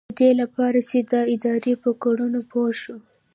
ددې لپاره چې د ادارې په کړنو پوه شو.